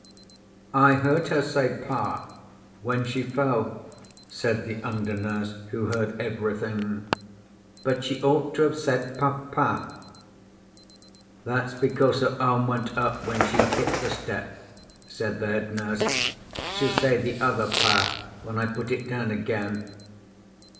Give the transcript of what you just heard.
"I heard her say 'Pa' when she fell," said the under nurse, who heard everything. "But she ought to have said 'Pa pa.'" "That's because her arm went up when she hit the step," said the head nurse. "She'll say the other 'Pa' when I put it down again."